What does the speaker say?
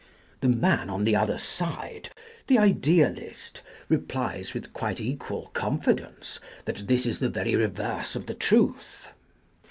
The man on the other side, the idealist, replies, with quite equal confi dence, that this is the very reverse of the truth.